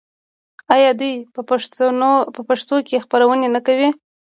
آیا دوی په پښتو هم خپرونې نه کوي؟